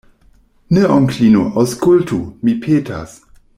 Ne, onklino, aŭskultu, mi petas.